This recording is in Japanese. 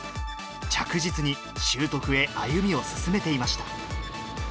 着実に習得へ歩みを進めていました。